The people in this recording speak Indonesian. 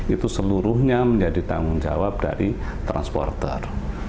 itu seluruhnya menjadi tanggung jawab dari transporter